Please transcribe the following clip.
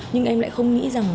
nhưng em lại không nghĩ rằng